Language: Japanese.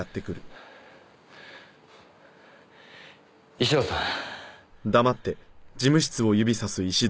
石堂さん。